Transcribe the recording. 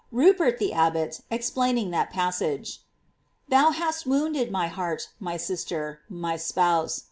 § Rupert the Abbot, explaining that passage, "Thou hast wounded my heart, my sister, my spouse